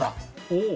おお！